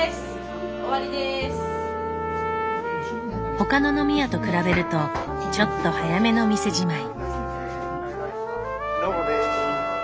他の飲み屋と比べるとちょっと早めの店じまい。